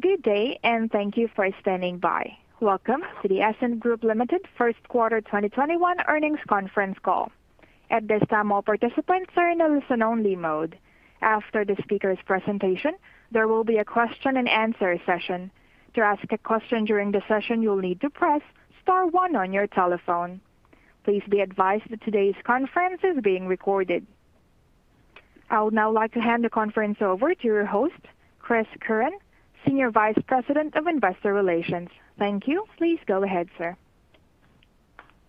Good day, and thank you for standing by. Welcome to the Essent Group Ltd. first quarter 2021 earnings conference call. At this time, all participants are in a listen-only mode. After the speaker's presentation, there will be a question and answer session. To ask a question during the session, you'll need to press star one on your telephone. Please be advised that today's conference is being recorded. I would now like to hand the conference over to your host, Christopher Curran, Senior Vice President of Investor Relations. Thank you. Please go ahead, sir.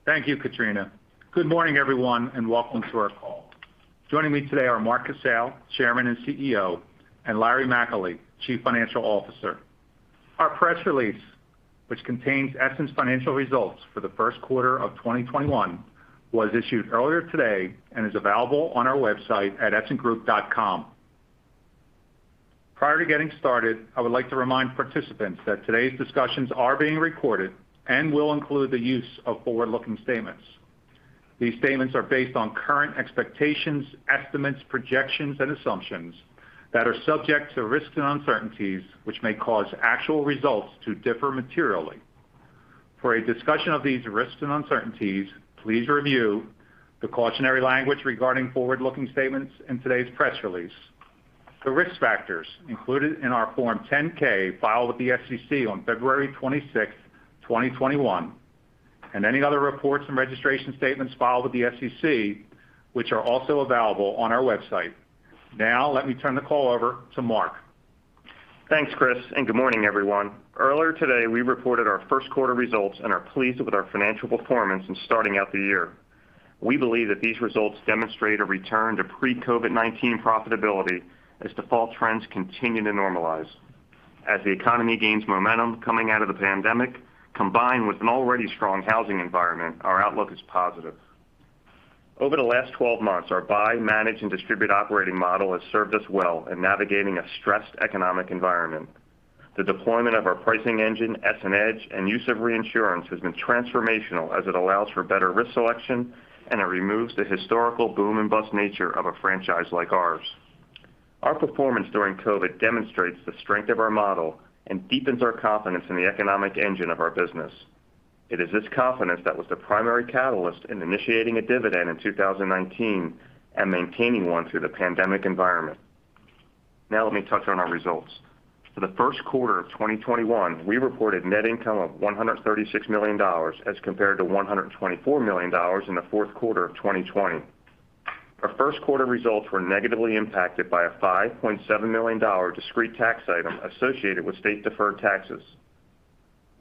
Thank you, Katrina. Good morning, everyone, and welcome to our call. Joining me today are Mark Casale, Chairman and CEO, and Lawrence McAlee, Chief Financial Officer. Our press release, which contains Essent's financial results for the first quarter of 2021, was issued earlier today and is available on our website at essentgroup.com. Prior to getting started, I would like to remind participants that today's discussions are being recorded and will include the use of forward-looking statements. These statements are based on current expectations, estimates, projections, and assumptions that are subject to risks and uncertainties, which may cause actual results to differ materially. For a discussion of these risks and uncertainties, please review the cautionary language regarding forward-looking statements in today's press release, the risk factors included in our Form 10-K filed with the SEC on February 26th, 2021, and any other reports and registration statements filed with the SEC, which are also available on our website. Now, let me turn the call over to Mark. Thanks, Chris, and good morning, everyone. Earlier today, we reported our first quarter results and are pleased with our financial performance in starting out the year. We believe that these results demonstrate a return to pre-COVID-19 profitability as default trends continue to normalize. As the economy gains momentum coming out of the pandemic, combined with an already strong housing environment, our outlook is positive. Over the last 12 months, our buy, manage, and distribute operating model has served us well in navigating a stressed economic environment. The deployment of our pricing engine, EssentEDGE, and use of reinsurance has been transformational as it allows for better risk selection and it removes the historical boom and bust nature of a franchise like ours. Our performance during COVID demonstrates the strength of our model and deepens our confidence in the economic engine of our business. It is this confidence that was the primary catalyst in initiating a dividend in 2019 and maintaining one through the pandemic environment. Let me touch on our results. For the first quarter of 2021, we reported net income of $136 million as compared to $124 million in the fourth quarter of 2020. Our first quarter results were negatively impacted by a $5.7 million discrete tax item associated with state deferred taxes.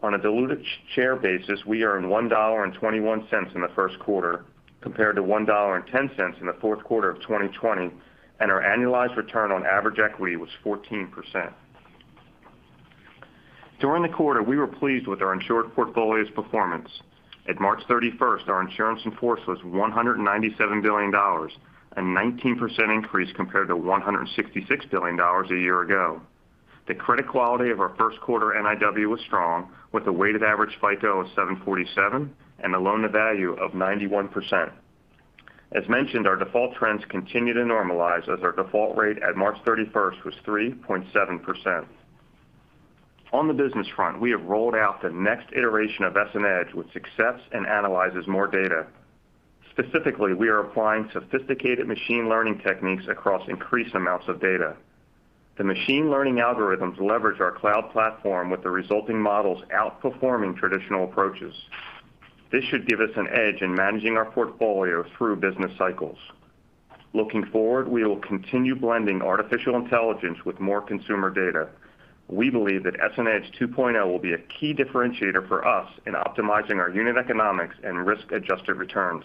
On a diluted share basis, we earned $1.21 in the first quarter compared to $1.10 in the fourth quarter of 2020, and our annualized return on average equity was 14%. During the quarter, we were pleased with our insured portfolio's performance. At March 31st, our insurance in force was $197 billion, a 19% increase compared to $166 billion a year ago. The credit quality of our first quarter NIW was strong with a weighted average FICO of 747 and a loan to value of 91%. As mentioned, our default trends continue to normalize as our default rate at March 31st was 3.7%. On the business front, we have rolled out the next iteration of EssentEDGE, which accesses and analyzes more data. Specifically, we are applying sophisticated machine learning techniques across increased amounts of data. The machine learning algorithms leverage our cloud platform with the resulting models outperforming traditional approaches. This should give us an edge in managing our portfolio through business cycles. Looking forward, we will continue blending artificial intelligence with more consumer data. We believe that EssentEDGE 2.0 will be a key differentiator for us in optimizing our unit economics and risk-adjusted returns.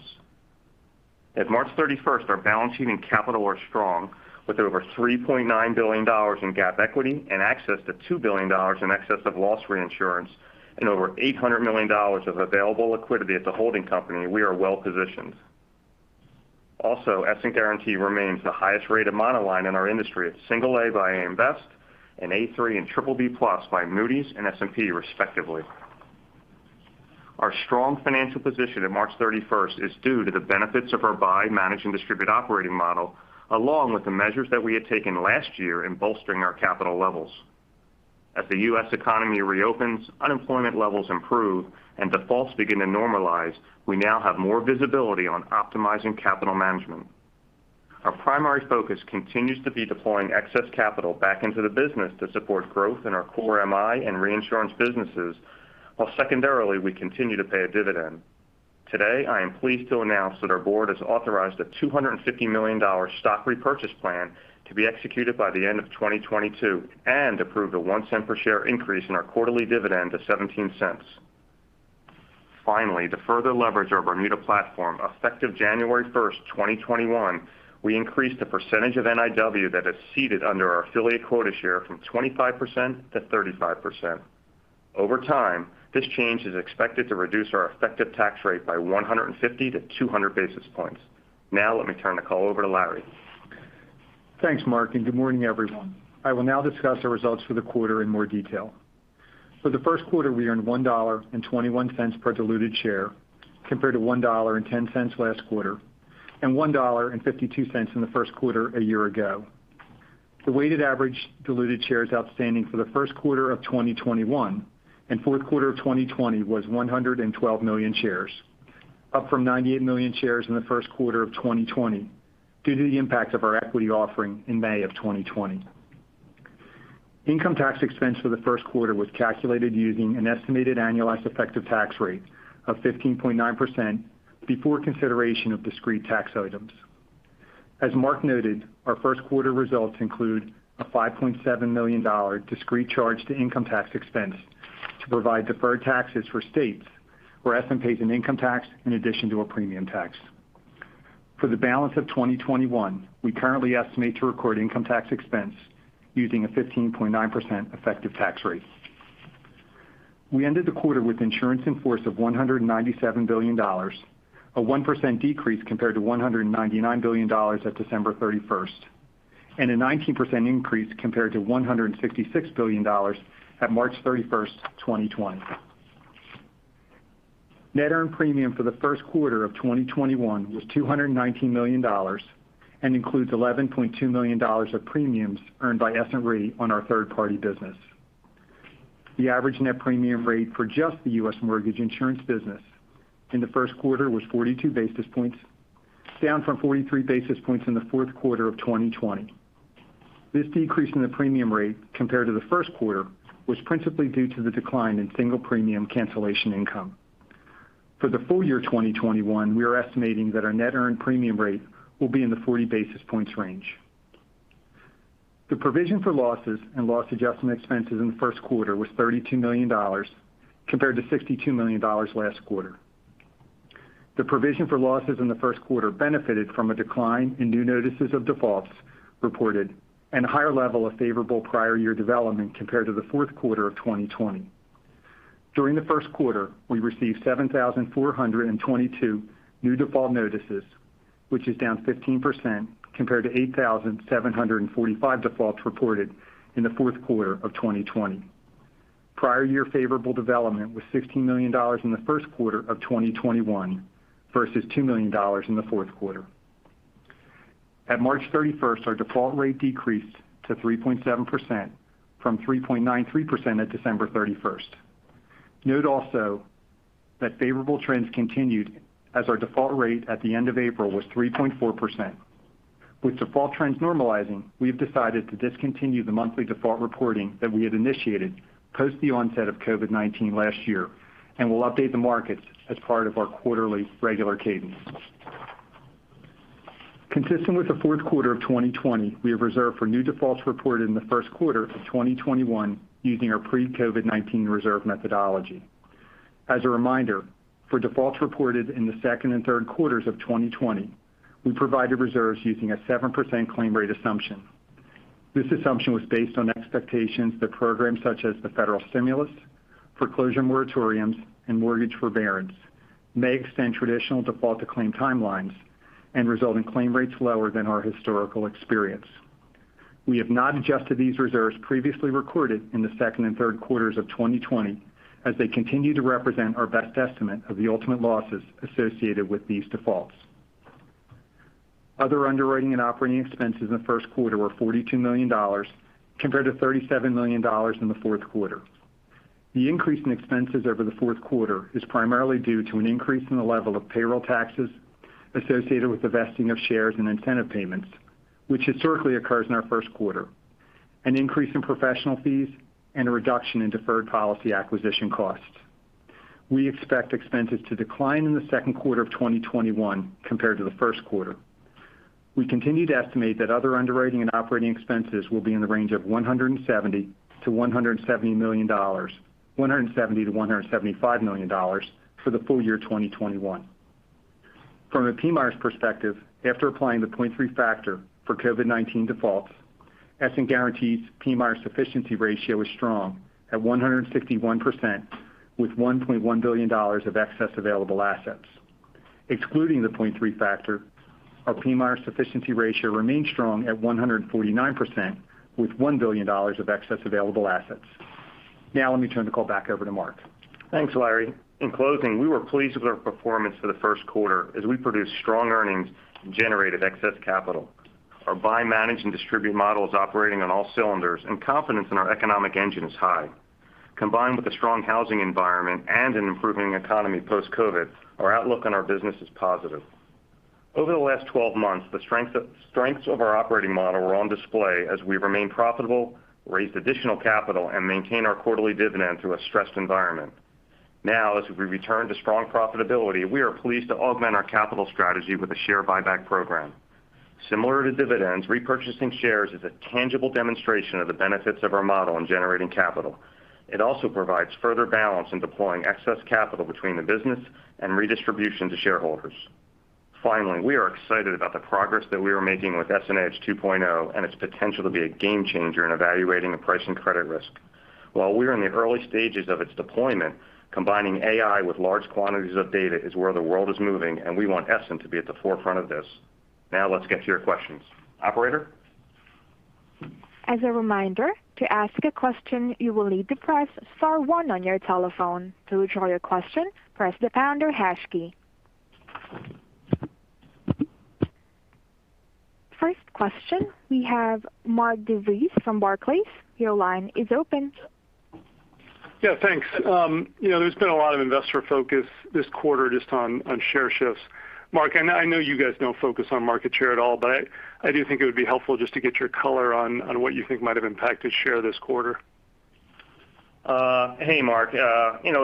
At March 31st, our balance sheet and capital are strong with over $3.9 billion in GAAP equity and access to $2 billion in excess of loss reinsurance and over $800 million of available liquidity at the holding company, we are well-positioned. Essent Guaranty remains the highest rated monoline in our industry at Single A by AM Best and A3 and BBB+ by Moody's and S&P respectively. Our strong financial position at March 31st is due to the benefits of our buy, manage, and distribute operating model, along with the measures that we had taken last year in bolstering our capital levels. As the U.S. economy reopens, unemployment levels improve, and defaults begin to normalize, we now have more visibility on optimizing capital management. Our primary focus continues to be deploying excess capital back into the business to support growth in our core MI and reinsurance businesses, while secondarily, we continue to pay a dividend. Today, I am pleased to announce that our board has authorized a $250 million stock repurchase plan to be executed by the end of 2022 and approved a $0.01 per share increase in our quarterly dividend to $0.17. Finally, to further leverage our Bermuda platform, effective January 1st, 2021, we increased the percentage of NIW that is ceded under our affiliate quota share from 25%-35%. Over time, this change is expected to reduce our effective tax rate by 150 basis points-200 basis points. Now, let me turn the call over to Larry. Thanks, Mark, and good morning, everyone. I will now discuss the results for the quarter in more detail. For the first quarter, we earned $1.21 per diluted share compared to $1.10 last quarter and $1.52 in the first quarter a year ago. The weighted average diluted shares outstanding for the first quarter of 2021 and fourth quarter of 2020 was 112 million shares, up from 98 million shares in the first quarter of 2020 due to the impact of our equity offering in May of 2020. Income tax expense for the first quarter was calculated using an estimated annualized effective tax rate of 15.9% before consideration of discrete tax items. As Mark noted, our first quarter results include a $5.7 million discrete charge to income tax expense to provide deferred taxes for states where Essent pays an income tax in addition to a premium tax. For the balance of 2021, we currently estimate to record income tax expense using a 15.9% effective tax rate. We ended the quarter with insurance in force of $197 billion, a 1% decrease compared to $199 billion at December 31st, and a 19% increase compared to $166 billion at March 31st, 2020. Net earned premium for the first quarter of 2021 was $219 million and includes $11.2 million of premiums earned by Essent Re on our third-party business. The average net premium rate for just the U.S. mortgage insurance business in the first quarter was 42 basis points, down from 43 basis points in the fourth quarter of 2020. This decrease in the premium rate compared to the first quarter was principally due to the decline in single premium cancellation income. For the full year 2021, we are estimating that our net earned premium rate will be in the 40 basis points range. The provision for losses and loss adjustment expenses in the first quarter was $32 million compared to $62 million last quarter. The provision for losses in the first quarter benefited from a decline in new notices of defaults reported and a higher level of favorable prior year development compared to the fourth quarter of 2020. During the first quarter, we received 7,422 new default notices, which is down 15% compared to 8,745 defaults reported in the fourth quarter of 2020. Prior year favorable development was $16 million in the first quarter of 2021 versus $2 million in the fourth quarter. At March 31st, our default rate decreased to 3.7% from 3.93% at December 31st. Note also that favorable trends continued as our default rate at the end of April was 3.4%. With default trends normalizing, we've decided to discontinue the monthly default reporting that we had initiated post the onset of COVID-19 last year, and we'll update the markets as part of our quarterly regular cadence. Consistent with the fourth quarter of 2020, we have reserved for new defaults reported in the first quarter of 2021 using our pre-COVID-19 reserve methodology. As a reminder, for defaults reported in the second and third quarters of 2020, we provided reserves using a 7% claim rate assumption. This assumption was based on expectations that programs such as the federal stimulus, foreclosure moratoriums, and mortgage forbearance may extend traditional default to claim timelines and result in claim rates lower than our historical experience. We have not adjusted these reserves previously recorded in the second and third quarters of 2020 as they continue to represent our best estimate of the ultimate losses associated with these defaults. Other underwriting and operating expenses in the first quarter were $42 million compared to $37 million in the fourth quarter. The increase in expenses over the fourth quarter is primarily due to an increase in the level of payroll taxes associated with the vesting of shares and incentive payments, which historically occurs in our first quarter, an increase in professional fees, and a reduction in deferred policy acquisition costs. We expect expenses to decline in the second quarter of 2021 compared to the first quarter. We continue to estimate that other underwriting and operating expenses will be in the range of $170 million-$175 million for the full year 2021. From a PMIERs perspective, after applying the 0.3 factor for COVID-19 defaults, Essent Guaranty's PMIER sufficiency ratio is strong at 161% with $1.1 billion of excess available assets. Excluding the 0.3 factor, our PMIER sufficiency ratio remains strong at 149% with $1 billion of excess available assets. Let me turn the call back over to Mark. Thanks, Larry. In closing, we were pleased with our performance for the first quarter as we produced strong earnings and generated excess capital. Our buy, manage, and distribute model is operating on all cylinders and confidence in our economic engine is high. Combined with a strong housing environment and an improving economy post-COVID-19, our outlook on our business is positive. Over the last 12 months, the strengths of our operating model were on display as we remained profitable, raised additional capital, and maintained our quarterly dividend through a stressed environment. Now, as we return to strong profitability, we are pleased to augment our capital strategy with a share buyback program. Similar to dividends, repurchasing shares is a tangible demonstration of the benefits of our model in generating capital. It also provides further balance in deploying excess capital between the business and redistribution to shareholders. Finally, we are excited about the progress that we are making with EssentEDGE 2.0 and its potential to be a game changer in evaluating the pricing credit risk. While we are in the early stages of its deployment, combining AI with large quantities of data is where the world is moving, and we want Essent to be at the forefront of this. Let's get to your questions. Operator? As a reminder to ask a question, you will need to press star one on your telephone. To withdraw your question press the handle hash key. First question, we have Mark DeVries from Barclays. Your line is open. Yeah, thanks. There's been a lot of investor focus this quarter just on share shifts. Mark, I know you guys don't focus on market share at all, but I do think it would be helpful just to get your color on what you think might have impacted share this quarter. Hey, Mark.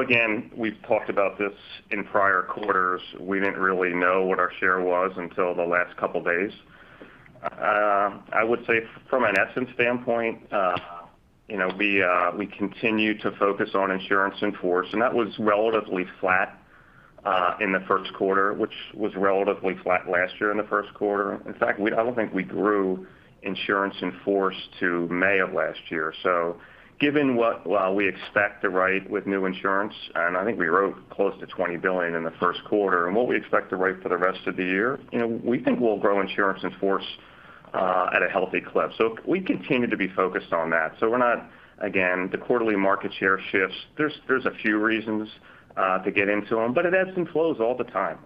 Again, we've talked about this in prior quarters. We didn't really know what our share was until the last couple of days. I would say from an Essent standpoint, we continue to focus on insurance in force. That was relatively flat in the first quarter, which was relatively flat last year in the first quarter. In fact, I don't think we grew insurance in force to May of last year. Given what we expect to write with new insurance, and I think we wrote close to $20 billion in the first quarter, and what we expect to write for the rest of the year, we think we'll grow insurance in force at a healthy clip. We continue to be focused on that. We're not, again, the quarterly market share shifts. There's a few reasons to get into them, but it ebbs and flows all the time.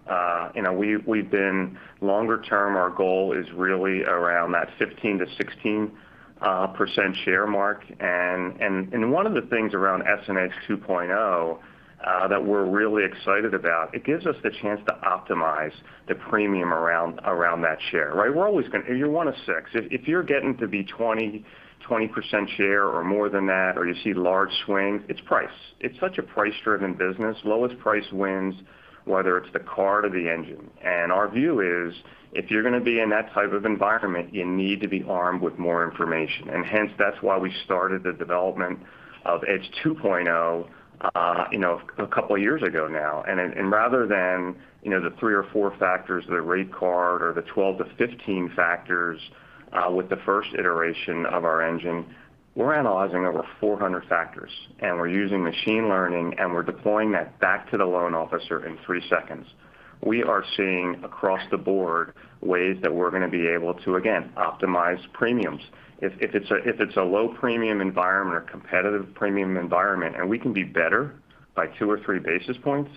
We've been longer term, our goal is really around that 15%-16% share mark. One of the things around EssentEDGE 2.0 that we're really excited about, it gives us the chance to optimize the premium around that share. We're always, you're one of six. If you're getting to be 20% share or more than that, or you see large swings, it's price. It's such a price-driven business. Lowest price wins, whether it's the car to the engine. Our view is, if you're going to be in that type of environment, you need to be armed with more information. Hence, that's why we started the development of Edge 2.0 a couple of years ago now. Rather than the three or four factors of the rate card or the 12 to 15 factors with the first iteration of our engine, we're analyzing over 400 factors, and we're using machine learning, and we're deploying that back to the loan officer in three seconds. We are seeing across the board ways that we're going to be able to, again, optimize premiums. If it's a low premium environment or competitive premium environment, and we can be better by two or three basis points,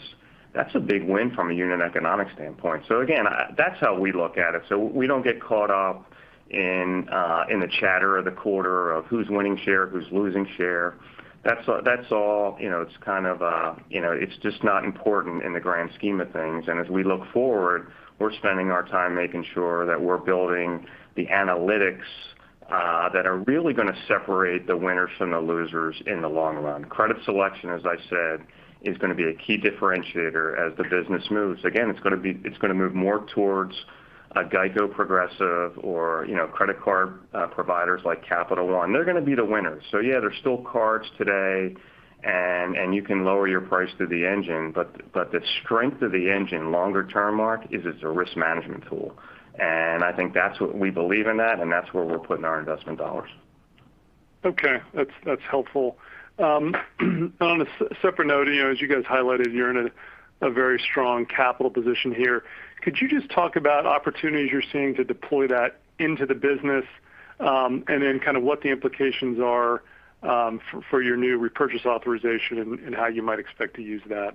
that's a big win from a unit economic standpoint. Again, that's how we look at it. We don't get caught up in the chatter of the quarter of who's winning share, who's losing share. It's just not important in the grand scheme of things. As we look forward, we're spending our time making sure that we're building the analytics that are really going to separate the winners from the losers in the long run. Credit selection, as I said, is going to be a key differentiator as the business moves. It's going to move more towards a GEICO, Progressive, or credit card providers like Capital One. They're going to be the winners. Yeah, there's still cards today, and you can lower your price through the engine, but the strength of the engine longer term, Mark, is it's a risk management tool. I think that's what we believe in that, and that's where we're putting our investment dollars. Okay. That's helpful. On a separate note, as you guys highlighted, you're in a very strong capital position here. Could you just talk about opportunities you're seeing to deploy that into the business, and then kind of what the implications are for your new repurchase authorization and how you might expect to use that?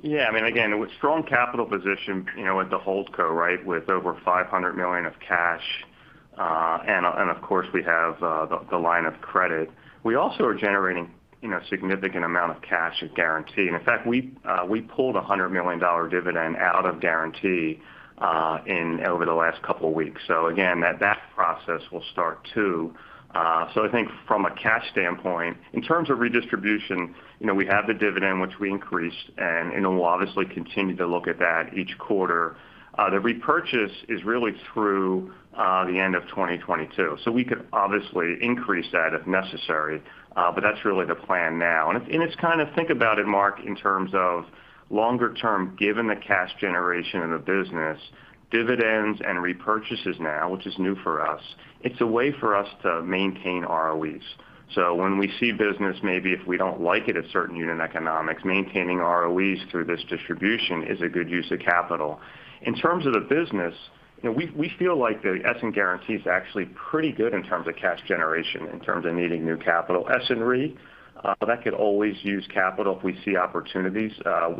Yeah. Again, with strong capital position with the HoldCo with over $500 million of cash, and of course, we have the line of credit. We also are generating significant amount of cash at Guaranty. In fact, we pulled a $100 million dividend out of Guaranty over the last couple of weeks. Again, that process will start too. I think from a cash standpoint, in terms of redistribution, we have the dividend, which we increased, and we'll obviously continue to look at that each quarter. The repurchase is really through the end of 2022. We could obviously increase that if necessary, but that's really the plan now. It's kind of think about it, Mark, in terms of longer term, given the cash generation in the business, dividends and repurchases now, which is new for us, it's a way for us to maintain ROEs. When we see business, maybe if we don't like it at certain unit economics, maintaining ROEs through this distribution is a good use of capital. In terms of the business, we feel like the Essent Guaranty is actually pretty good in terms of cash generation, in terms of needing new capital. Essent Re, that could always use capital if we see opportunities.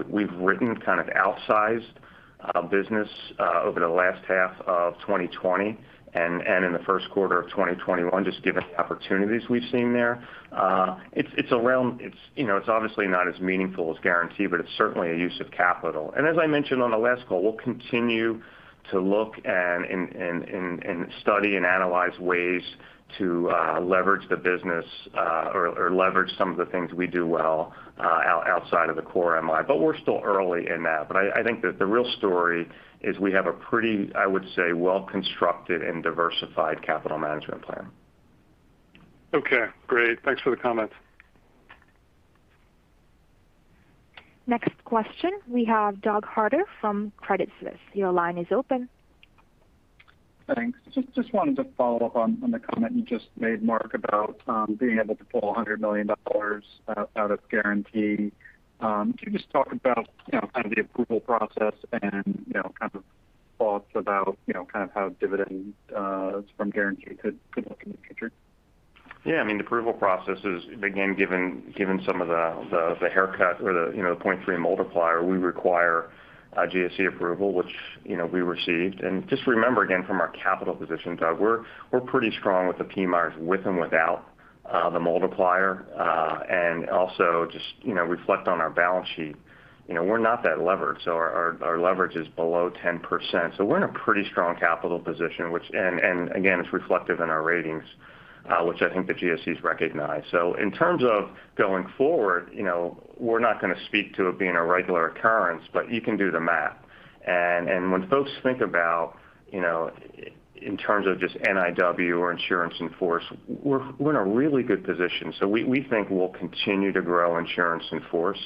We've written kind of outsized business over the last half of 2020 and in the first quarter of 2021, just given the opportunities we've seen there. It's obviously not as meaningful as Essent Guaranty, but it's certainly a use of capital. As I mentioned on the last call, we'll continue to look and study and analyze ways to leverage the business or leverage some of the things we do well outside of the core MI. We're still early in that. I think that the real story is we have a pretty, I would say, well-constructed and diversified capital management plan. Okay, great. Thanks for the comment. Next question, we have Douglas Harter from Credit Suisse. Your line is open. Thanks. Just wanted to follow up on the comment you just made, Mark, about being able to pull $100 million out of Guaranty. Can you just talk about kind of the approval process and kind of thoughts about kind of how dividends from Guaranty could look in the future? The approval process is, again, given some of the haircut or the 0.3 multiplier, we require a GSE approval, which we received. Just remember, again, from our capital position, Doug, we're pretty strong with the PMIERs, with and without the multiplier. Also just reflect on our balance sheet. We're not that levered. Our leverage is below 10%. We're in a pretty strong capital position, and again, it's reflective in our ratings, which I think the GSEs recognize. In terms of going forward, we're not going to speak to it being a regular occurrence, but you can do the math. When folks think about in terms of just NIW or insurance in force, we're in a really good position. We think we'll continue to grow insurance in force.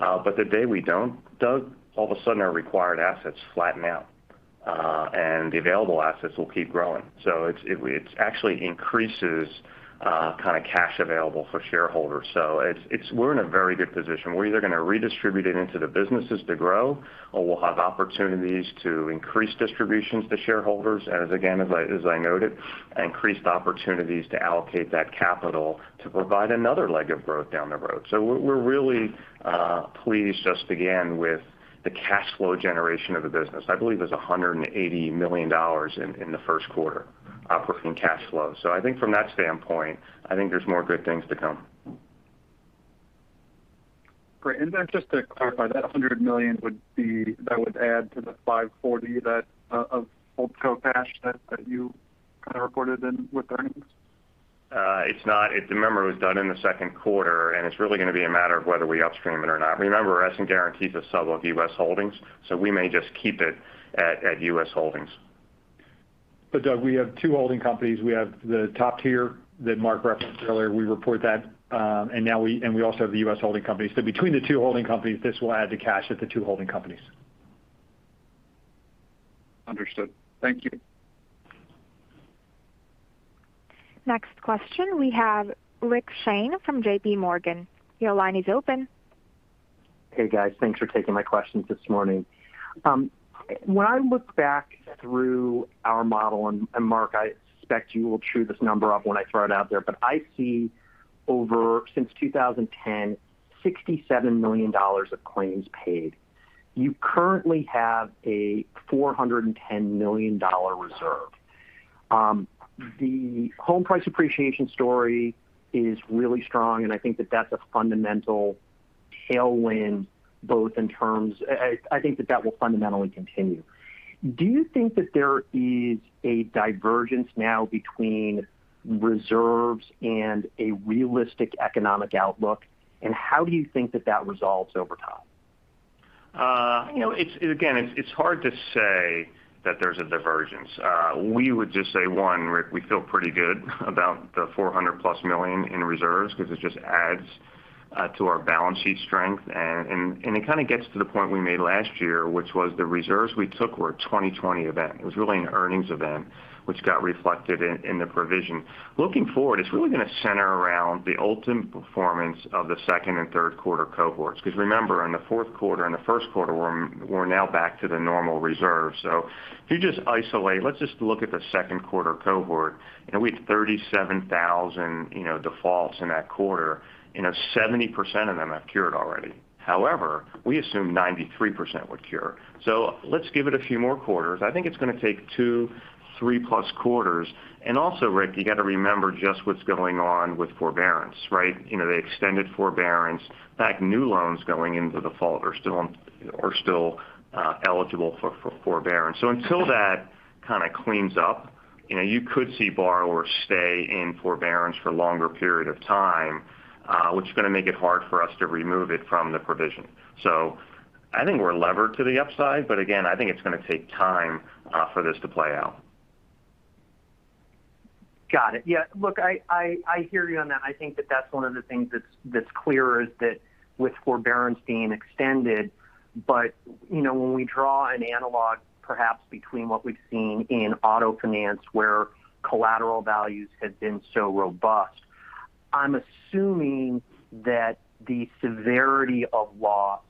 The day we don't, Doug, all of a sudden our required assets flatten out, and the available assets will keep growing. It actually increases kind of cash available for shareholders. We're in a very good position. We're either going to redistribute it into the businesses to grow, or we'll have opportunities to increase distributions to shareholders as, again, as I noted, increased opportunities to allocate that capital to provide another leg of growth down the road. We're really pleased just again, with the cash flow generation of the business. I believe there's $180 million in the first quarter operating cash flow. I think from that standpoint, I think there's more good things to come. Great. Then just to clarify, that $100 million would add to the $540 million of HoldCo cash that you kind of reported in with earnings? It's not. If you remember, it was done in the second quarter, it's really going to be a matter of whether we upstream it or not. Remember, Essent Guaranty is a sub of US Holdings, we may just keep it at US Holdings. Doug, we have two holding companies. We have the top tier that Mark referenced earlier. We report that, and we also have the U.S. Holding Company. Between the two holding companies, this will add to cash at the two holding companies. Understood. Thank you. Next question, we have Rick Shane from J.P. Morgan. Your line is open. Hey guys, thanks for taking my questions this morning. When I look back through our model, and Mark, I expect you will chew this number up when I throw it out there, but I see over, since 2010, $67 million of claims paid. You currently have a $410 million reserve. The home price appreciation story is really strong, and I think that that's a fundamental tailwind I think that that will fundamentally continue. Do you think that there is a divergence now between reserves and a realistic economic outlook, and how do you think that that resolves over time? It's hard to say that there's a divergence. We would just say, one, Rick, we feel pretty good about the $400+ million in reserves because it just adds to our balance sheet strength. It kind of gets to the point we made last year, which was the reserves we took were a 2020 event. It was really an earnings event which got reflected in the provision. Looking forward, it's really going to center around the ultimate performance of the second and third quarter cohorts. Remember, in the fourth quarter and the first quarter, we're now back to the normal reserve. If you just isolate, let's just look at the second quarter cohort, and we had 37,000 defaults in that quarter, and 70% of them have cured already. We assume 93% would cure. Let's give it a few more quarters. I think it's going to take two, three plus quarters. Also, Rick, you got to remember just what's going on with forbearance, right? The extended forbearance. In fact, new loans going into default are still eligible for forbearance. Until that kind of cleans up, you could see borrowers stay in forbearance for longer period of time, which is going to make it hard for us to remove it from the provision. So I think we're levered to the upside, but again, I think it's going to take time for this to play out. Got it. Yeah, look, I hear you on that. I think that that's one of the things that's clear is that with forbearance being extended, when we draw an analog perhaps between what we've seen in auto finance where collateral values have been so robust, I'm assuming that the severity of loss,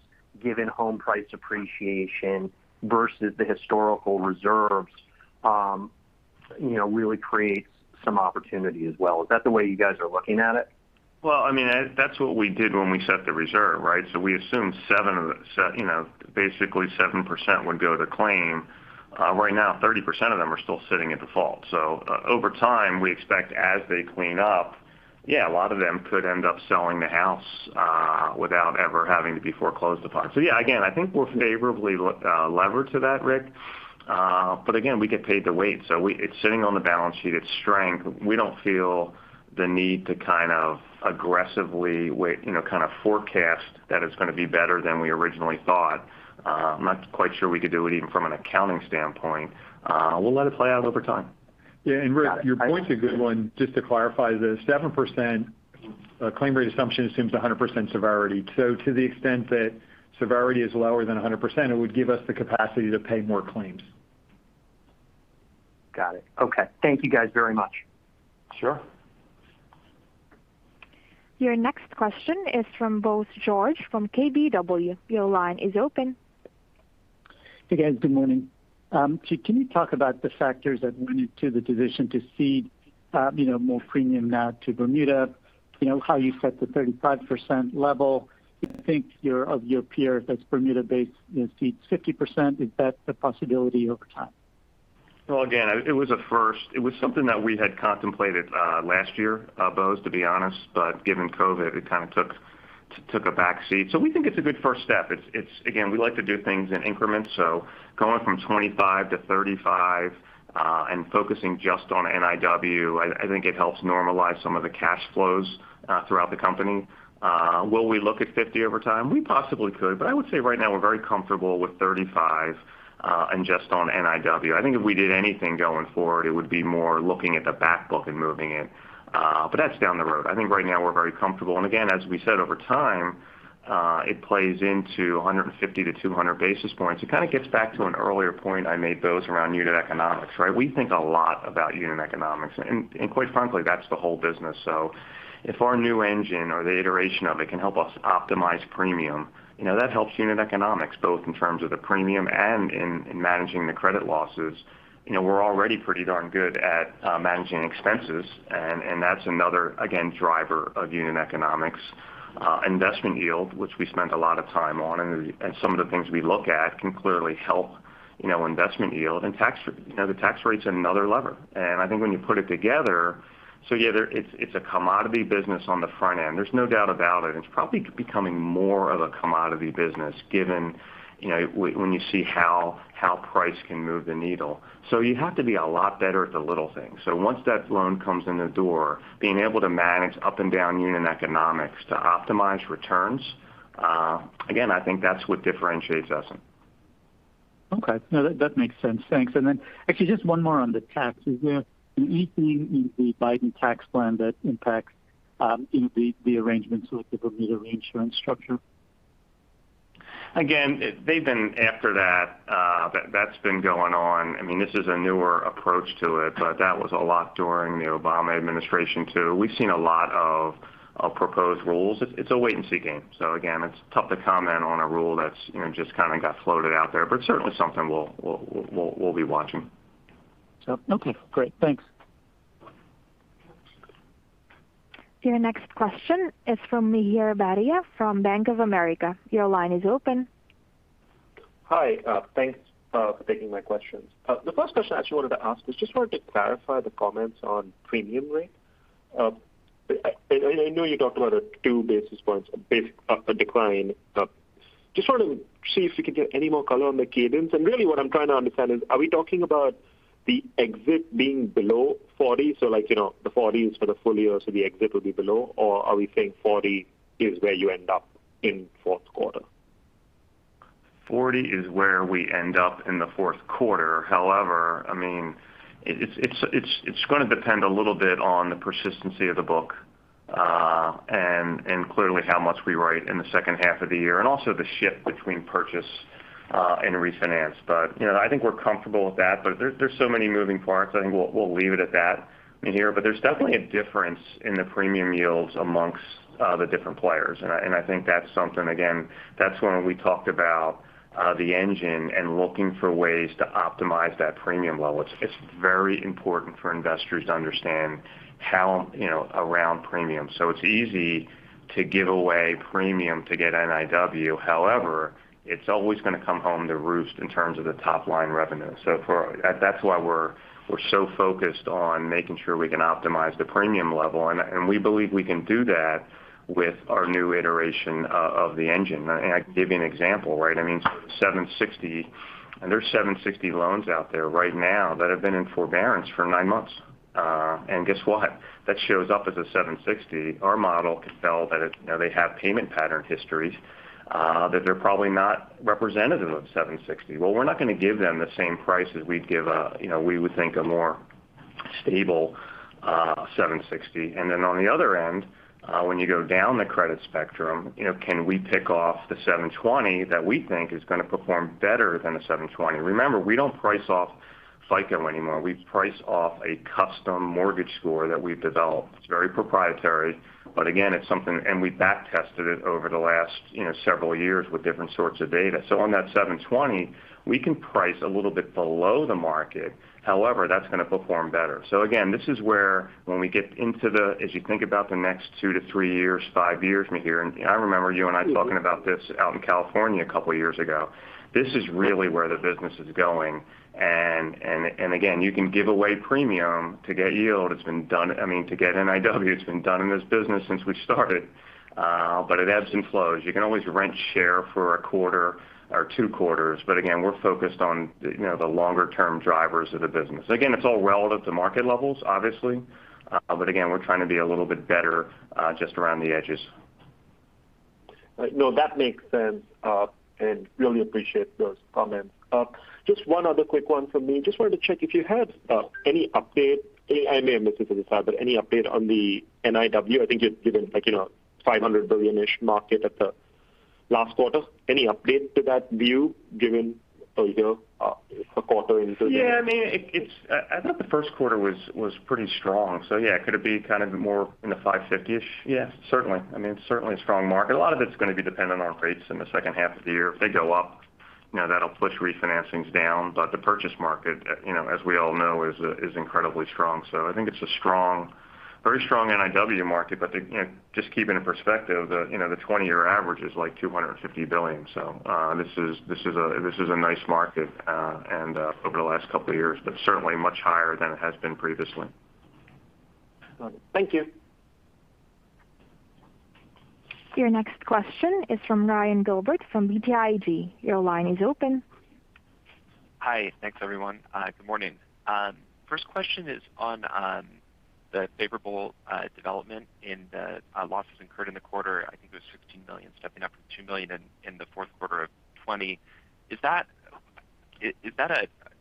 given home price appreciation versus the historical reserves really creates some opportunity as well. Is that the way you guys are looking at it? That's what we did when we set the reserve, right? We assumed basically 7% would go to claim. Right now, 30% of them are still sitting in default. Over time, we expect as they clean up, a lot of them could end up selling the house without ever having to be foreclosed upon. Again, I think we're favorably levered to that, Rick. Again, we get paid to wait. It's sitting on the balance sheet. It's strength. We don't feel the need to aggressively forecast that it's going to be better than we originally thought. I'm not quite sure we could do it even from an accounting standpoint. We'll let it play out over time. Yeah, Rick, your point's a good one. Just to clarify, the 7% claim rate assumption assumes 100% severity. To the extent that severity is lower than 100%, it would give us the capacity to pay more claims. Got it. Okay. Thank you guys very much. Sure. Your next question is from Bose George from KBW. Your line is open. Hey, guys. Good morning. Can you talk about the factors that went into the decision to cede more premium now to Bermuda? How you set the 35% level? Do you think of your peers as Bermuda-based cede 50%? Is that a possibility over time? Well, again, it was a first. It was something that we had contemplated last year, Bose, to be honest, but given COVID, it kind of took a back seat. We think it's a good first step. Again, we like to do things in increments, going from 25 to 35, and focusing just on NIW, I think it helps normalize some of the cash flows throughout the company. Will we look at 50 over time? We possibly could, but I would say right now we're very comfortable with 35, and just on NIW. I think if we did anything going forward, it would be more looking at the back book and moving it. That's down the road. I think right now we're very comfortable. Again, as we said over time, it plays into 150-200 basis points. It kind of gets back to an earlier point I made, Bose, around unit economics, right? We think a lot about unit economics. Quite frankly, that's the whole business. If our new engine or the iteration of it can help us optimize premium, that helps unit economics, both in terms of the premium and in managing the credit losses. We're already pretty darn good at managing expenses. That's another, again, driver of unit economics. Investment yield, which we spent a lot of time on, some of the things we look at can clearly help investment yield. The tax rate's another lever. I think when you put it together, yeah, it's a commodity business on the front end. There's no doubt about it. It's probably becoming more of a commodity business, given when you see how price can move the needle. You have to be a lot better at the little things. Once that loan comes in the door, being able to manage up and down unit economics to optimize returns, again, I think that's what differentiates us. Okay. No, that makes sense. Thanks. Then actually just one more on the tax. Is there anything in the Biden tax plan that impacts the arrangements with the Bermuda reinsurance structure? Again, they've been after that. That's been going on. This is a newer approach to it, but that was a lot during the Obama administration, too. We've seen a lot of proposed rules. It's a wait-and-see game. Again, it's tough to comment on a rule that's just kind of got floated out there, but certainly something we'll be watching. Okay, great. Thanks. Your next question is from Mihir Bhatia from Bank of America. Your line is open. Hi. Thanks for taking my questions. The first question I actually wanted to ask was just wanted to clarify the comments on premium rate. I know you talked about a two basis points decline. Just wanted to see if you could give any more color on the cadence. Really what I'm trying to understand is, are we talking about the exit being below 40? Like, the 40 is for the full year, so the exit will be below, or are we saying 40 is where you end up in fourth quarter? 40 is where we end up in the fourth quarter. However, it's going to depend a little bit on the persistency of the book, and clearly how much we write in the second half of the year, and also the shift between purchase and refinance. I think we're comfortable with that, but there's so many moving parts. I think we'll leave it at that, Mihir. There's definitely a difference in the premium yields amongst the different players, and I think that's something, again, that's when we talked about the engine and looking for ways to optimize that premium level. It's very important for investors to understand how around premium. It's easy to give away premium to get NIW. However, it's always going to come home to roost in terms of the top-line revenue. That's why we're so focused on making sure we can optimize the premium level, and we believe we can do that with our new iteration of the engine. I can give you an example, right? I mean, 760, there's 760 loans out there right now that have been in forbearance for nine months. Guess what? That shows up as a 760. Our model can tell that they have payment pattern histories that they're probably not representative of 760. We're not going to give them the same price as we'd give we would think a more stable 760. Then on the other end, when you go down the credit spectrum, can we pick off the 720 that we think is going to perform better than a 720? Remember, we don't price off FICO anymore. We price off a custom mortgage score that we've developed. It's very proprietary, again, it's something, and we back-tested it over the last several years with different sorts of data. On that 720, we can price a little bit below the market. However, that's going to perform better. Again, this is where when we get into the, as you think about the next two to three years, five years, Mihir Bhatia, I remember you and I talking about this out in California two years ago. This is really where the business is going. Again, you can give away premium to get yield. It's been done. I mean, to get NIW, it's been done in this business since we started. It ebbs and flows. You can always rent share for a quarter or two quarters. Again, we're focused on the longer-term drivers of the business. Again, it's all relative to market levels, obviously. Again, we're trying to be a little bit better just around the edges. That makes sense, really appreciate those comments. One other quick one from me. Wanted to check if you had any update. I may have missed this on the side, any update on the NIW? I think you'd given a $500 billion-ish market at the last quarter, any update to that view given a year, a quarter into the- Yeah. I thought the first quarter was pretty strong. Yeah. Could it be kind of more in the 550-ish? Yeah, certainly. Certainly a strong market. A lot of it's going to be dependent on rates in the second half of the year. If they go up, that'll push refinancings down. The purchase market, as we all know, is incredibly strong. I think it's a very strong NIW market, but just keeping in perspective the 20-year average is like $250 billion. This is a nice market and over the last couple of years, but certainly much higher than it has been previously. Got it. Thank you. Your next question is from Ryan Gilbert from BTIG. Your line is open. Hi. Thanks, everyone. Good morning. First question is on the favorable development in the losses incurred in the quarter. I think it was $16 million stepping up from $2 million in the fourth quarter of 2020. Is that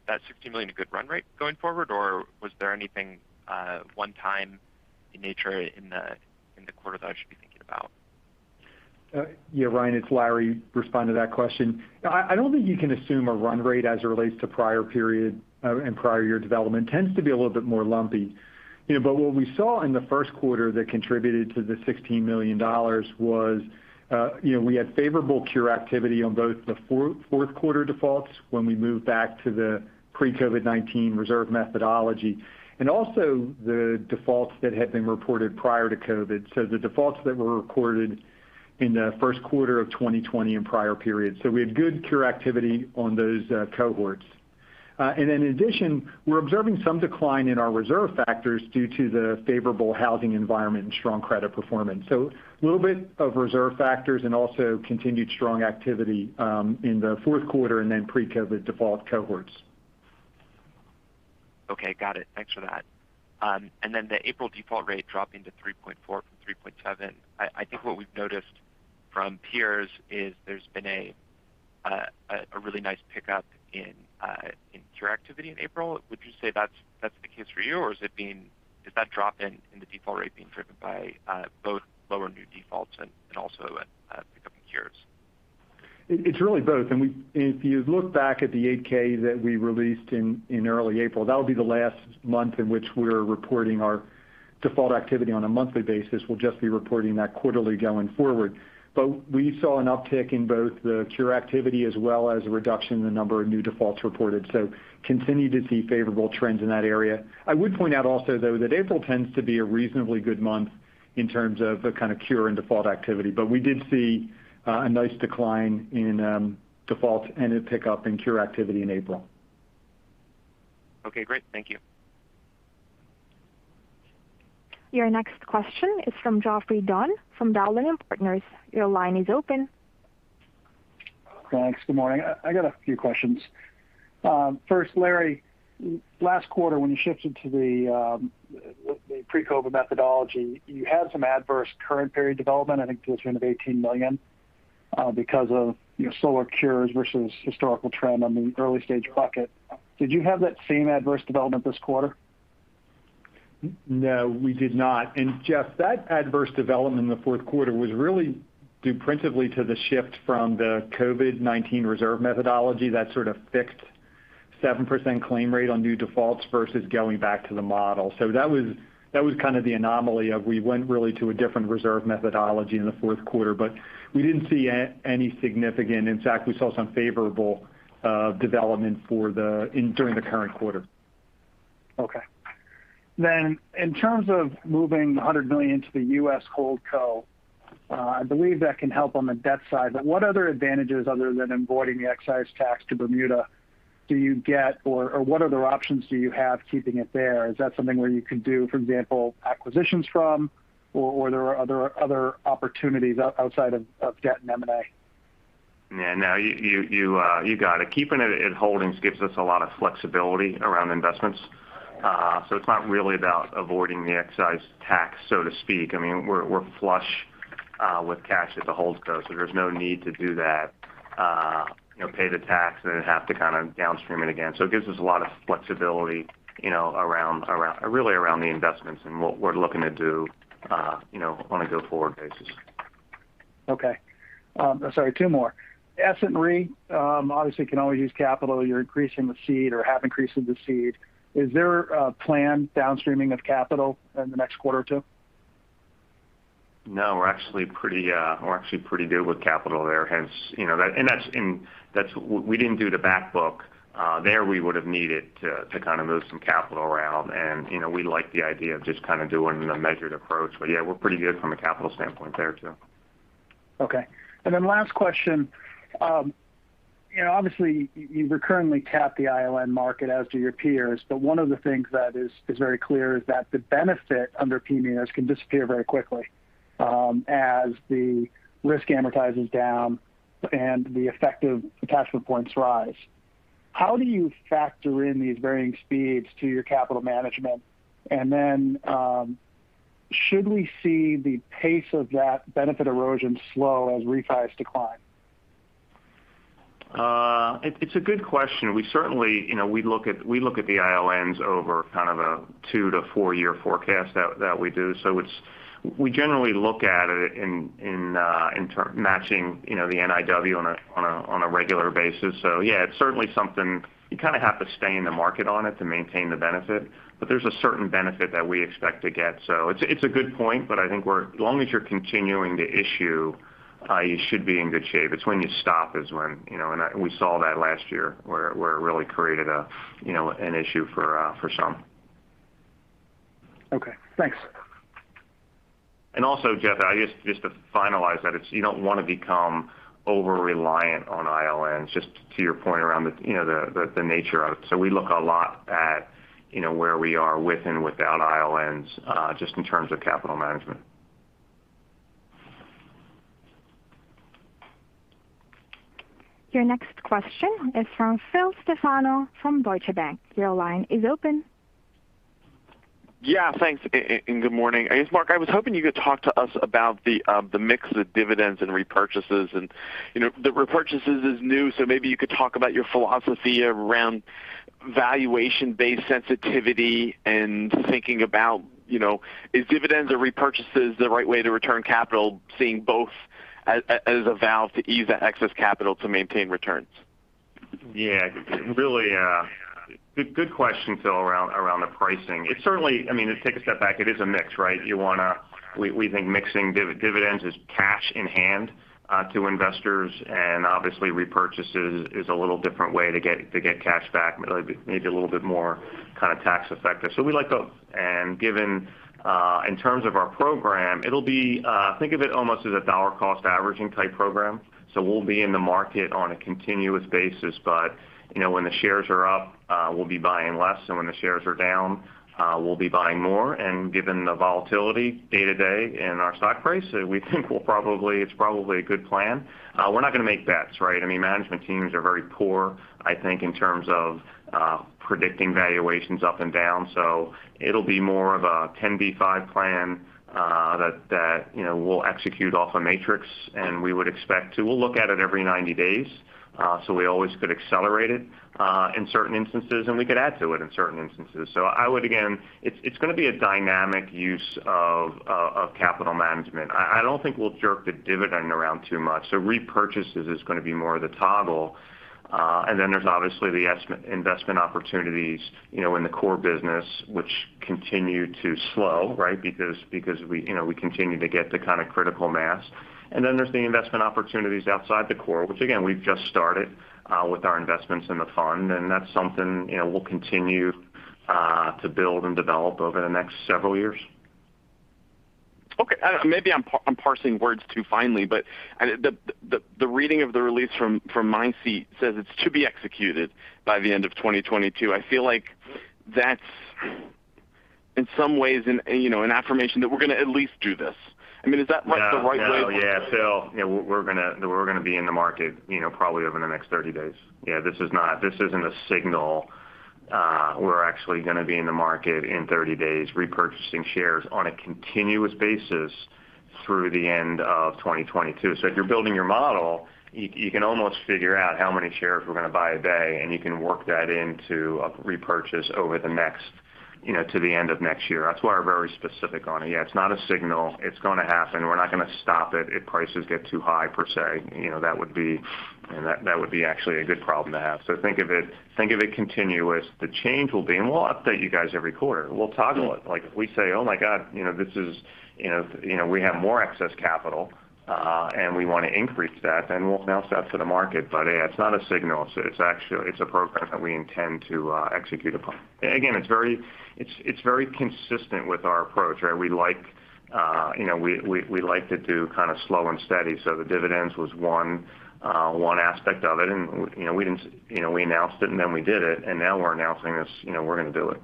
$16 million a good run rate going forward or was there anything one time in nature in the quarter that I should be thinking about? Yeah, Ryan, it's Larry respond to that question. I don't think you can assume a run rate as it relates to prior period and prior year development. Tends to be a little bit more lumpy. What we saw in the first quarter that contributed to the $16 million was we had favorable cure activity on both the fourth quarter defaults when we moved back to the pre-COVID-19 reserve methodology. Also the defaults that had been reported prior to COVID. The defaults that were reported in the first quarter of 2020 and prior periods. We had good cure activity on those cohorts. In addition, we're observing some decline in our reserve factors due to the favorable housing environment and strong credit performance. A little bit of reserve factors and also continued strong activity in the fourth quarter and then pre-COVID default cohorts. Okay. Got it. Thanks for that. The April default rate dropping to 3.4 from 3.7. I think what we've noticed from peers is there's been a really nice pickup in cure activity in April. Would you say that's the case for you or is that drop in the default rate being driven by both lower new defaults and also a pickup in cures? It's really both. If you look back at the 8-K that we released in early April, that'll be the last month in which we're reporting our default activity on a monthly basis. We'll just be reporting that quarterly going forward. We saw an uptick in both the cure activity as well as a reduction in the number of new defaults reported. Continue to see favorable trends in that area. I would point out also, though, that April tends to be a reasonably good month in terms of the kind of cure and default activity. We did see a nice decline in defaults and a pickup in cure activity in April. Okay, great. Thank you. Your next question is from Geoffrey Dunn from Dowling & Partners. Your line is open. Thanks. Good morning. I got a few questions. First, Larry, last quarter when you shifted to the pre-COVID methodology, you had some adverse current period development, I think to the tune of $18 million because of slow cures versus historical trend on the early-stage bucket. Did you have that same adverse development this quarter? No, we did not. Geoff, that adverse development in the fourth quarter was really due principally to the shift from the COVID-19 reserve methodology that sort of fixed 7% claim rate on new defaults versus going back to the model. That was kind of the anomaly of we went really to a different reserve methodology in the fourth quarter. We didn't see any. In fact, we saw some favorable development during the current quarter. Okay. In terms of moving $100 million to the US HoldCo, I believe that can help on the debt side. What other advantages other than avoiding the excise tax to Bermuda do you get or what other options do you have keeping it there? Is that something where you could do, for example, acquisitions from or there are other opportunities outside of debt and M&A? Yeah, no. You got it. Keeping it in holdings gives us a lot of flexibility around investments. It's not really about avoiding the excise tax, so to speak. We're flush with cash at the HoldCo so there's no need to do that. Pay the tax and then have to kind of downstream it again. It gives us a lot of flexibility really around the investments and what we're looking to do on a go-forward basis. Okay. Sorry, two more. Essent Re obviously can always use capital. You're increasing the cede or have increased the cede. Is there a planned downstreaming of capital in the next quarter or two? No, we're actually pretty good with capital there. We didn't do the back book. There we would've needed to kind of move some capital around and we like the idea of just kind of doing a measured approach. Yeah, we're pretty good from a capital standpoint there too. Okay. Last question. Obviously you recurrently tap the ILN market as do your peers, but one of the things that is very clear is that the benefit under PMIERs can disappear very quickly as the risk amortizes down and the effective attachment points rise. How do you factor in these varying speeds to your capital management? Should we see the pace of that benefit erosion slow as refis decline? It's a good question. We look at the ILNs over kind of a two- to four-year forecast that we do. We generally look at it in matching the NIW on a regular basis. Yeah, it's certainly something you kind of have to stay in the market on it to maintain the benefit. There's a certain benefit that we expect to get. It's a good point, but I think as long as you're continuing to issue, you should be in good shape. It's when you stop and we saw that last year where it really created an issue for some. Okay, thanks. Also, Geoff, just to finalize that, you don't want to become over-reliant on ILNs, just to your point around the nature of it. We look a lot at where we are with and without ILNs, just in terms of capital management. Your next question is from Phil Stefano from Deutsche Bank. Your line is open. Yeah. Thanks, and good morning. I guess, Mark, I was hoping you could talk to us about the mix of dividends and repurchases. The repurchases is new, so maybe you could talk about your philosophy around valuation-based sensitivity and thinking about, is dividends or repurchases the right way to return capital, seeing both as a valve to ease that excess capital to maintain returns? Yeah. Really good question, Phil, around the pricing. To take a step back, it is a mix, right? We think mixing dividends is cash in hand to investors. Obviously repurchases is a little different way to get cash back, maybe a little bit more kind of tax effective. We like both. Given in terms of our program, think of it almost as a dollar cost averaging type program. We'll be in the market on a continuous basis, but when the shares are up, we'll be buying less, and when the shares are down, we'll be buying more. Given the volatility day to day in our stock price, we think it's probably a good plan. We're not going to make bets, right? Management teams are very poor, I think, in terms of predicting valuations up and down. It'll be more of a 10b5 plan that we'll execute off a matrix, and we'll look at it every 90 days. We always could accelerate it in certain instances, and we could add to it in certain instances. Again, it's going to be a dynamic use of capital management. I don't think we'll jerk the dividend around too much, so repurchases is going to be more of the toggle. There's obviously the investment opportunities in the core business, which continue to slow, right? Because we continue to get to kind of critical mass. There's the investment opportunities outside the core, which again, we've just started with our investments in the fund, and that's something we'll continue to build and develop over the next several years. Okay. Maybe I'm parsing words too finely, but the reading of the release from Mindseat says it's to be executed by the end of 2022. I feel like that's, in some ways, an affirmation that we're going to at least do this. No. Phil, we're going to be in the market probably over the next 30 days. This isn't a signal. We're actually going to be in the market in 30 days, repurchasing shares on a continuous basis through the end of 2022. If you're building your model, you can almost figure out how many shares we're going to buy a day, and you can work that into a repurchase over to the end of next year. That's why we're very specific on it. It's not a signal. It's going to happen. We're not going to stop it if prices get too high, per se. That would be actually a good problem to have. Think of it continuous. The change will be, and we'll update you guys every quarter. We'll toggle it. If we say, "Oh my god. We have more excess capital, and we want to increase that," then we'll announce that to the market. Yeah, it's not a signal. It's a program that we intend to execute upon. Again, it's very consistent with our approach, right? We like to do kind of slow and steady. The dividends was one aspect of it, and we announced it and then we did it, and now we're announcing this. We're going to do it.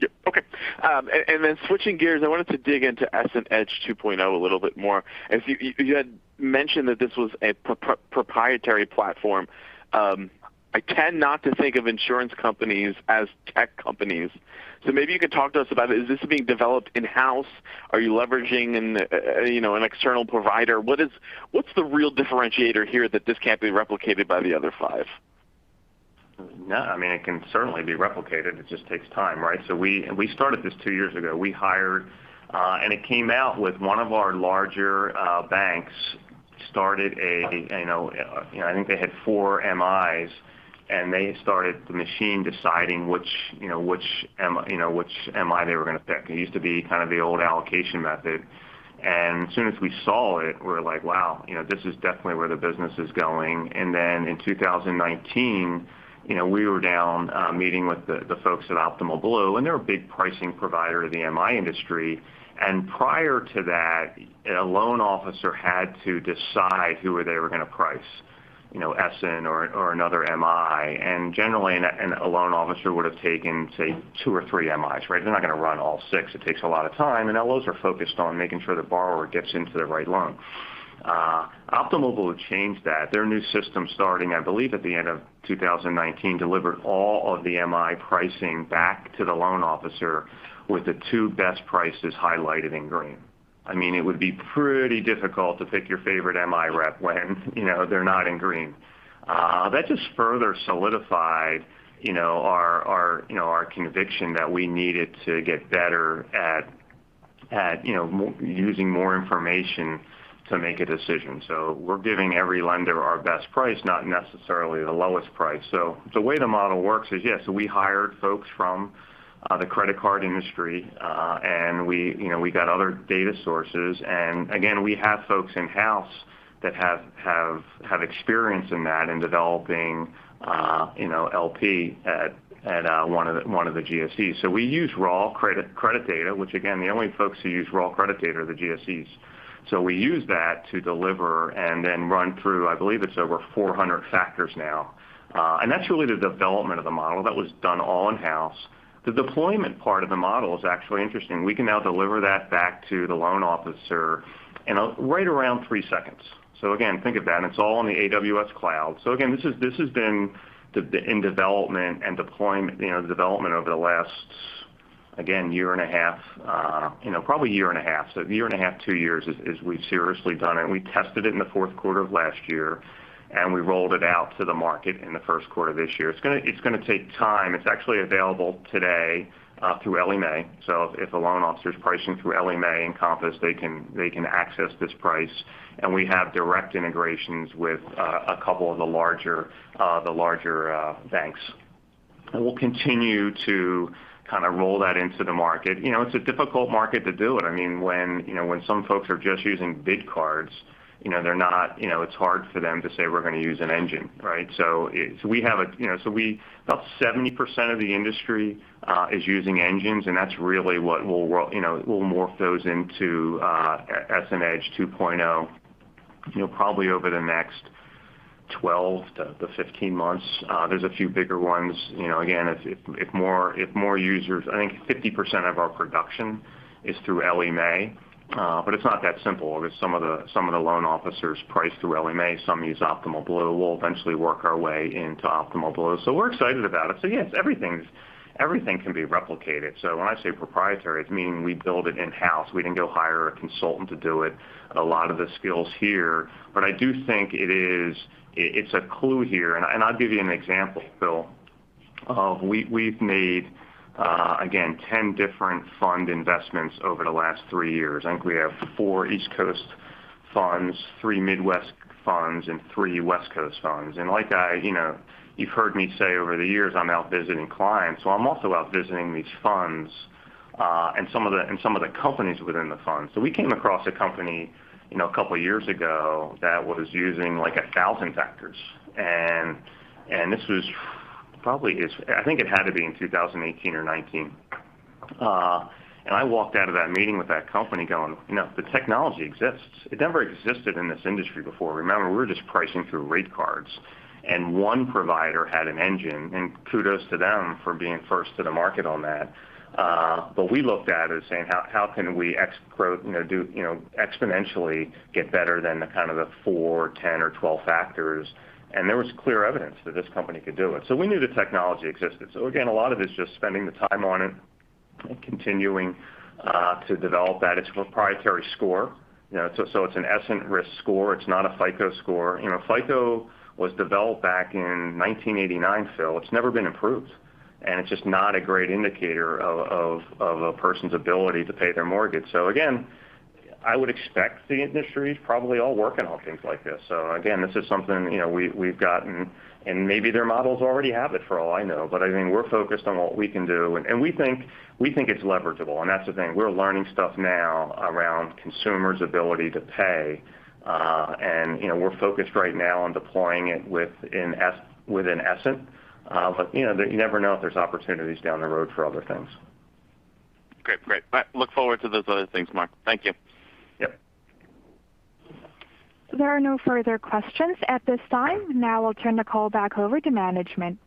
Yep. Okay. Then switching gears, I wanted to dig into EssentEDGE 2.0 a little bit more. You had mentioned that this was a proprietary platform. I tend not to think of insurance companies as tech companies. Maybe you could talk to us about it. Is this being developed in-house? Are you leveraging an external provider? What's the real differentiator here that this can't be replicated by the other five? No, it can certainly be replicated. It just takes time, right? We started this two years ago. We hired. It came out with one of our larger banks. I think they had four MIs, and they had started the machine deciding which MI they were going to pick. It used to be kind of the old allocation method. As soon as we saw it, we were like, "Wow. This is definitely where the business is going." In 2019, we were down meeting with the folks at Optimal Blue, and they're a big pricing provider of the MI industry. Prior to that, a loan officer had to decide who they were going to price, Essent or another MI. Generally, a loan officer would have taken, say, two or three MIs, right? They're not going to run all six. It takes a lot of time. LOs are focused on making sure the borrower gets into the right loan. Optimal Blue changed that. Their new system, starting, I believe, at the end of 2019, delivered all of the MI pricing back to the loan officer, with the two best prices highlighted in green. It would be pretty difficult to pick your favorite MI rep when they're not in green. That just further solidified our conviction that we needed to get better at using more information to make a decision. We're giving every lender our best price, not necessarily the lowest price. The way the model works is, yes, we hired folks from the credit card industry. We got other data sources. Again, we have folks in-house that have experience in that, in developing LP at one of the GSEs. We use raw credit data, which again, the only folks who use raw credit data are the GSEs. We use that to deliver and then run through, I believe it's over 400 factors now. That's really the development of the model. That was done all in-house. The deployment part of the model is actually interesting. We can now deliver that back to the loan officer in right around three seconds. Again, think of that, and it's all in the AWS Cloud. Again, this has been in development over the last, again, year and a half. Probably a year and a half, two years, is we've seriously done it. We tested it in the fourth quarter of last year, and we rolled it out to the market in the first quarter of this year. It's going to take time. It's actually available today through Ellie Mae. If a loan officer's pricing through Ellie Mae and Encompass, they can access this price. We have direct integrations with a couple of the larger banks. We'll continue to kind of roll that into the market. It's a difficult market to do it. When some folks are just using bid cards, it's hard for them to say, "We're going to use an engine." Right. About 70% of the industry is using engines, and that's really what we'll morph those into EssentEDGE 2.0 probably over the next 12 to 15 months. There's a few bigger ones. I think 50% of our production is through Ellie Mae. It's not that simple. Some of the loan officers price through Ellie Mae. Some use Optimal Blue. We'll eventually work our way into Optimal Blue. We're excited about it. Yes, everything can be replicated. When I say proprietary, it's meaning we build it in-house. We didn't go hire a consultant to do it. A lot of the skills here. I do think it's a clue here, and I'll give you an example, Phil. We've made, again, 10 different fund investments over the last three years. I think we have four East Coast funds, three Midwest funds, and three West Coast funds. You've heard me say over the years, I'm out visiting clients. I'm also out visiting these funds, and some of the companies within the funds. We came across a company a couple of years ago that was using like 1,000 factors. I think it had to be in 2018 or 2019. I walked out of that meeting with that company going, "The technology exists." It never existed in this industry before. Remember, we were just pricing through rate cards, and one provider had an engine. Kudos to them for being first to the market on that. We looked at it saying, "How can we exponentially get better than kind of the four, 10, or 12 factors?" There was clear evidence that this company could do it. We knew the technology existed. Again, a lot of it's just spending the time on it and continuing to develop that. It's a proprietary score. It's an Essent risk score. It's not a FICO score. FICO was developed back in 1989, Phil. It's never been improved. It's just not a great indicator of a person's ability to pay their mortgage. Again, I would expect the industry's probably all working on things like this. Again, this is something we've gotten. Maybe their models already have it for all I know. We're focused on what we can do. We think it's leverageable. That's the thing. We're learning stuff now around consumers' ability to pay. We're focused right now on deploying it within Essent. You never know if there's opportunities down the road for other things. Great. Look forward to those other things, Mark. Thank you. Yep. There are no further questions at this time. Now I'll turn the call back over to management.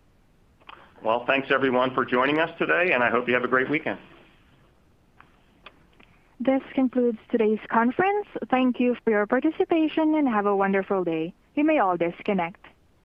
Well, thanks everyone for joining us today, and I hope you have a great weekend. This concludes today's conference. Thank you for your participation, and have a wonderful day. You may all disconnect.